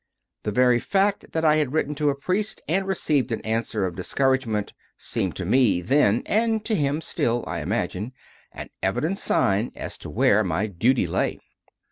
The very fact that I had written to a priest and received an answer of dis couragement seemed to me then and to him still, I imagine an evident sign of where my duty lay.